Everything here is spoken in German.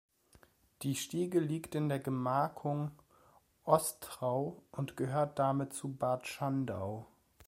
Die Stiege liegt in der Gemarkung Ostrau und gehört damit zu Bad Schandau.